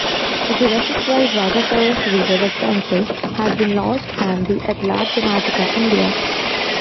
A Jurassic Ride Rajasaurus River Adventure has been launched at the Adlabs Imagica, India.